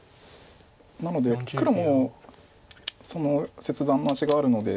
なので黒もその切断待ちがあるので。